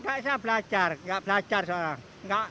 nggak bisa belajar nggak belajar seorang